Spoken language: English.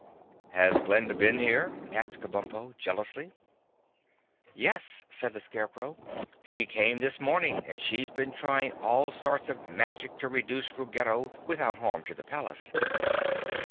"Has Glinda been here?" asked Kabumpo jealously. "Yes," said the Scarecrow. "She came this morning and she's been trying all sorts of magic to reduce Ruggedo without harm to the palace."